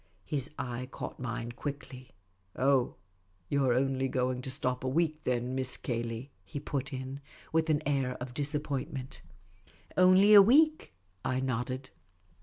His eye caught mine quickly. " Oh, you 're only going to stop a week, then. Miss Cay ley ?" he ^^ut in, with an air of disappointment. " Only a week," I nodded.